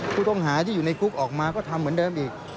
ผู้ต้องหาที่อยู่ในคุกออกมาก็ทำเหมือนเดิมอีก